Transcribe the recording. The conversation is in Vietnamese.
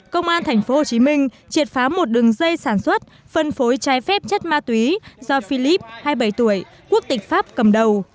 công an thành phố hồ chí minh triệt phá một đường dây sản xuất phân phối trái phép chất ma túy do philip hai mươi bảy tuổi quốc tịch pháp cầm đầu